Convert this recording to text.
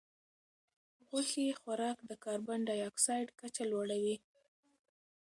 غوښې خوراک د کاربن ډای اکسایډ کچه لوړوي.